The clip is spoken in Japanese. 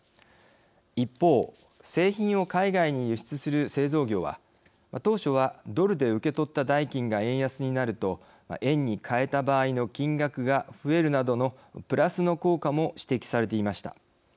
一方製品を海外に輸出する製造業は当初はドルで受け取った代金が円安になると円に替えた場合の金額が増えるなどのプラスの効果も指摘されていました。